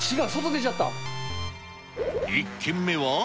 １軒目は。